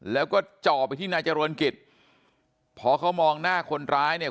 แล้วก็จ่อไปที่นายเจริญกิจพอเขามองหน้าคนร้ายเนี่ย